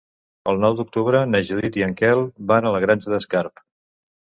El nou d'octubre na Judit i en Quel van a la Granja d'Escarp.